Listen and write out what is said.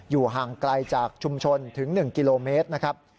ห่างไกลจากชุมชนถึง๑กิโลเมตรนะครับ